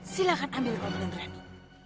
silahkan ambil paman yang berani